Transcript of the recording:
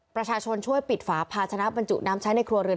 ประชาชนช่วยปิดฝาภาชนะบรรจุน้ำใช้ในครัวเรือน